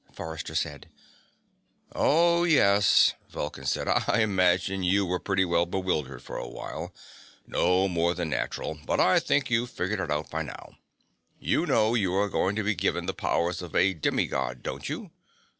Forrester said. "Oh, yes," Vulcan said. "I imagine you were pretty well bewildered for a while. No more than natural. But I think you've figured it out by now. You know you are going to be given the powers of a demi God, don't you?"